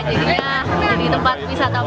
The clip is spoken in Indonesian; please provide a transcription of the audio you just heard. jadinya tempat wisata baru